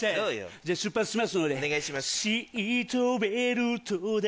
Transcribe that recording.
じゃあ出発しますので。